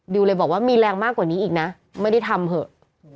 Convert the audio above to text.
เลยบอกว่ามีแรงมากกว่านี้อีกนะไม่ได้ทำเถอะ